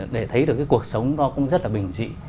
để thấy được cái cuộc sống nó cũng rất là bình dị